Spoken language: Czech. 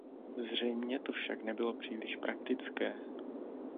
Zřejmě to však nebylo příliš praktické.